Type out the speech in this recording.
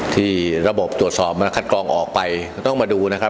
ที่ระบบตรวจสอบมาคัดกรองออกไปก็ต้องมาดูนะครับ